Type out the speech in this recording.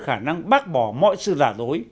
khả năng bác bỏ mọi sự giả dối